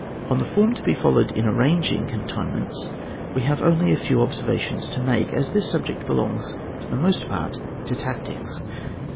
On the form to be followed in arrang ing cantonments we have only a few ob servations to make, as this subject belongs for the most part to tactics.